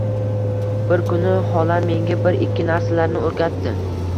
Bir kuni holam menga bir-ikki narsalarni o'rgatdi.